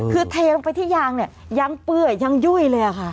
คือเทลงไปที่ยางเนี่ยยังเปื้อยังยุ่ยเลยค่ะ